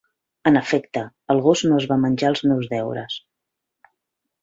En efecte, el gos no es va menjar els meus deures.